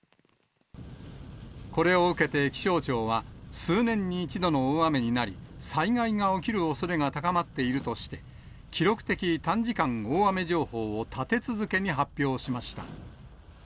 これを受けて、気象庁は、数年に一度の大雨になり、災害が起きるおそれが高まっているとして、記録的短時間大雨情報を立て続けに発表しました。